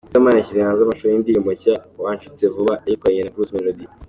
Riderman yashyize hanze amashusho y’indirimbo nshya ‘Wancitse vuba’, yayikoranye na Bruce Melody.